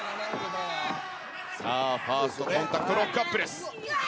さあ、ファーストコンタクト、ロックアップです。